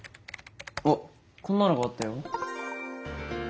あっこんなのがあったよ。